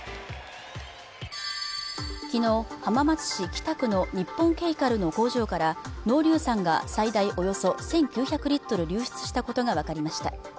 昨日浜松市北区の日本ケイカルの工場から濃硫酸が最大およそ１９００リットル流出したことが分かりました